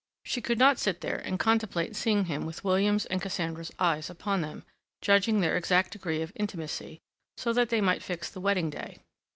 She could not sit there and contemplate seeing him with William's and Cassandra's eyes upon them, judging their exact degree of intimacy, so that they might fix the wedding day.